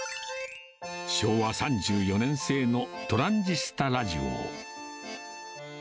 昭和３４年製のトランジスタラジオ。